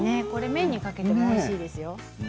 麺にかけてもおいしいですよ。